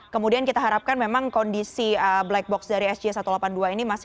kemudian kita harapkan memang kondisi black box dari sj satu ratus delapan puluh dua ini masih